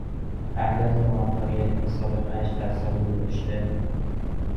بعد از موفقیت بی سابقه اش در سال گذشته